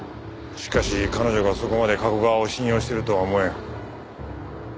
しかし彼女がそこまで加古川を信用してるとは思えん。